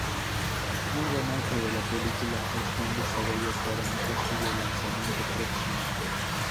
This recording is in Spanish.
Un remake de la película está en desarrollo para un posible lanzamiento próximo.